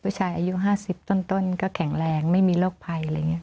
ผู้ชายอายุห้าสิบต้นก็แข็งแรงไม่มีโรคภัยอะไรอย่างนี้